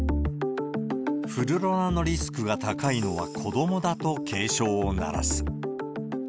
フルロナのリスクが高いのは子どもだと警鐘を鳴らす。